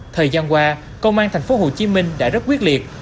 thời gian qua công an tp hcm đã rất quyết liệt